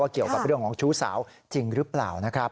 เกี่ยวกับเรื่องของชู้สาวจริงหรือเปล่านะครับ